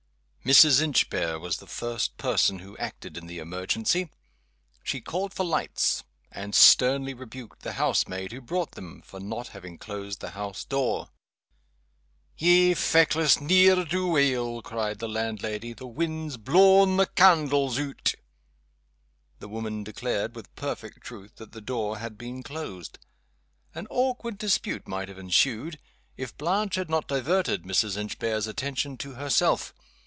MRS. INCHBARE was the first person who acted in the emergency. She called for lights; and sternly rebuked the house maid, who brought them, for not having closed the house door. "Ye feckless ne'er do weel!" cried the landlady; "the wind's blawn the candles oot." The woman declared (with perfect truth) that the door had been closed. An awkward dispute might have ensued if Blanche had not diverted Mrs. Inchbare's attention to herself.